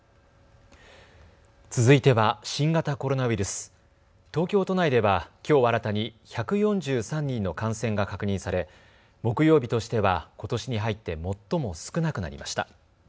続いては新型コロナウイルス、東京都内では、きょう新たに１４３人の感染が確認され木曜日としては、ことしに入って最も少なくなりました。